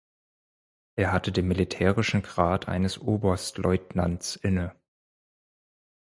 Er hatte den militärischen Grad eines Oberstleutnants inne.